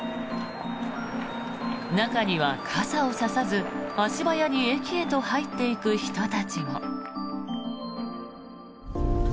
中には傘を差さず、足早に駅へと入っていく人たちも。